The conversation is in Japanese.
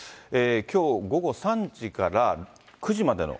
きょう午後３時から９時までの。